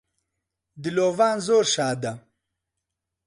دلۆڤان زۆر شادە